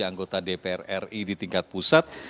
anggota dpr ri di tingkat pusat